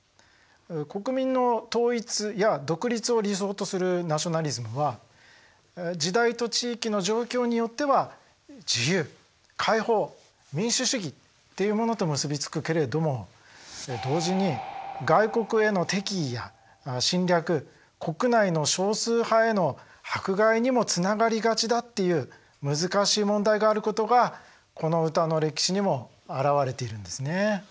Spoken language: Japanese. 国民の統一や独立を理想とするナショナリズムは時代と地域の状況によっては自由解放民主主義っていうものと結びつくけれども同時に外国への敵意や侵略国内の少数派への迫害にもつながりがちだっていう難しい問題があることがこの歌の歴史にもあらわれているんですね。